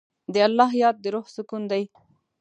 د الله یاد د روح سکون دی.